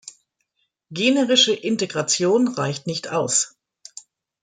Generische "Integration" reicht nicht aus.